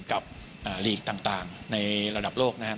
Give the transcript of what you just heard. กับลีกต่างในระดับโลกนะครับ